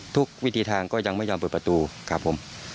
วิธีทางก็ยังไม่ยอมเปิดประตูครับผม